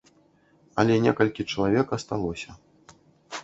Але некалькі чалавек асталося.